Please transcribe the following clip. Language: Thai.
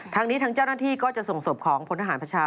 ทางนี้ทางเจ้าหน้าที่ก็จะส่งศพของพลทหารพชา